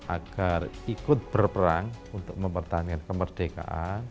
agar ikut berperang untuk mempertahankan kemerdekaan